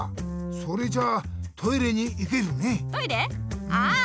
それじゃあトイレに行けるね！